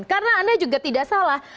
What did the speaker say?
karena anda juga tidak salah